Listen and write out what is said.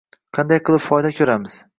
Qanday qilib foyda ko’ramiz